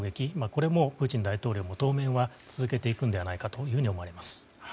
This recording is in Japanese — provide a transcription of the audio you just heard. これも、プーチン大統領は当面は続けていくのではないかと思われます。